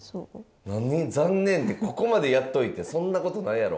残念ってここまでやっといてそんなことないやろ。